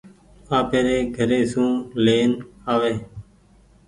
آپيري گهري سون لين آوي ۔